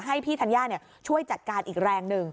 ให้พี่ธัญญาช่วยจัดการอีกแรงหนึ่ง